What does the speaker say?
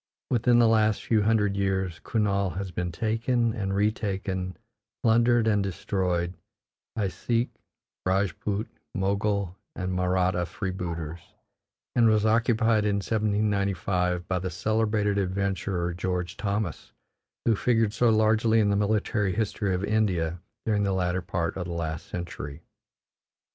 Within the last few hundred years, Kurnaul has been taken and retaken, plundered and destroyed, by Sikh, Rajput, Mogul, and Mahratta freebooters, and was occupied in 1795 by the celebrated adventurer George Thomas, who figured so largely in the military history of India during the latter part of the last century.